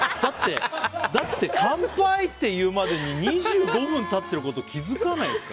だって、乾杯！って言うまでに２５分経ってること気づかないんですか。